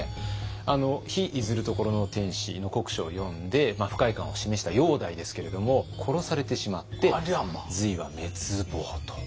「日出ずる処の天子」の国書を読んで不快感を示した煬帝ですけれども殺されてしまって隋は滅亡と。